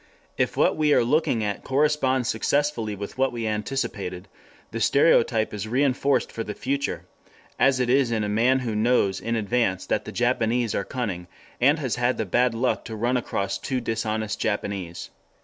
If what we are looking at corresponds successfully with what we anticipated, the stereotype is reinforced for the future, as it is in a man who knows in advance that the Japanese are cunning and has the bad luck to run across two dishonest Japanese.